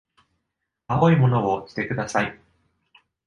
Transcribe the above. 青いものを着てください。